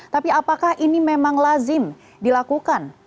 tapi apakah ini memang lazim dilakukan